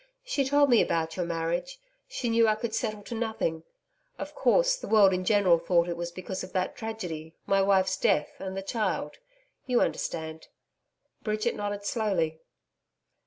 She told me about your marriage. She knew I could settle to nothing of course, the world in general thought it was because of that tragedy my wife's death and the child you understand?' Bridget nodded slowly.